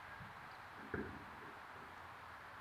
福州苎麻为荨麻科苎麻属下的一个变种。